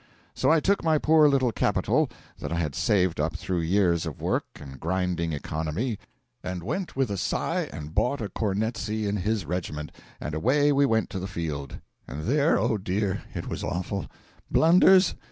So I took my poor little capital that I had saved up through years of work and grinding economy, and went with a sigh and bought a cornetcy in his regiment, and away we went to the field. And there oh dear, it was awful. Blunders?